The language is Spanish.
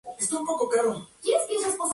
Las flores de color rosa.